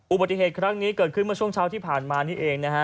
อุบัติเหตุครั้งนี้เกิดขึ้นเมื่อช่วงเช้าที่ผ่านมานี่เองนะฮะ